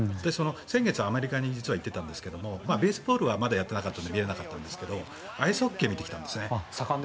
先月、アメリカに実は行ってたんですがベースボールはまだやってなかったので見れなかったですがアイスホッケーを見たんです。